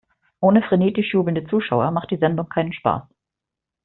Ohne frenetisch jubelnde Zuschauer macht die Sendung keinen Spaß.